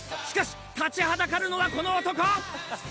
しかし立ちはだかるのがこの男！